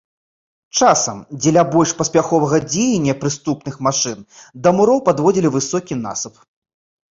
Часам, дзеля больш паспяховага дзеяння прыступных машын, да муроў падводзілі высокі насып.